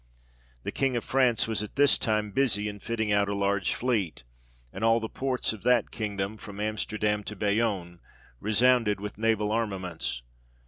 The King of France was at this time busied in fitting out a large fleet, and all the ports of that kingdom, from Amsterdam to Bayonne, resounded with naval arma ments.